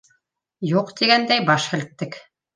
Юҡ тигәндәй баш һелктек.